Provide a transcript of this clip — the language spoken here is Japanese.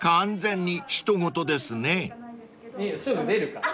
すぐ出るから。